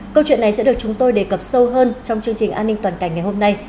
câu chuyện này sẽ được chúng tôi đề cập sâu hơn trong chương trình an ninh toàn cảnh ngày hôm nay